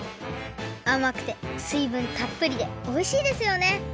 あまくてすいぶんたっぷりでおいしいですよね！